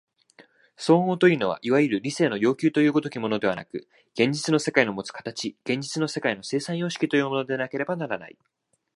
綜合というのはいわゆる理性の要求という如きものではなく、現実の世界のもつ形、現実の世界の生産様式というものでなければならない。